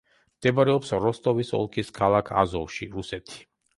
მდებარეობს როსტოვის ოლქის ქალაქ აზოვში, რუსეთი.